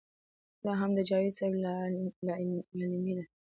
دا هم د جاوېد صېب لا علمي ده